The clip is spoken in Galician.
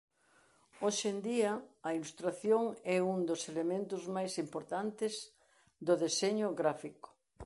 Hoxe en día a ilustración é un dos elementos máis importantes do deseño gráfico.